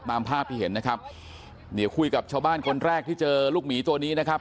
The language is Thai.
ตามภาพที่เห็นนะครับเนี่ยคุยกับชาวบ้านคนแรกที่เจอลูกหมีตัวนี้นะครับ